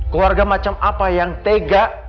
keluarga macam apa yang tega